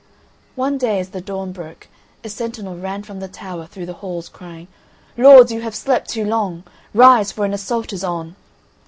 One day, as the dawn broke, a sentinel ran from the tower through the halls crying: "Lords, you have slept too long; rise, for an assault is on."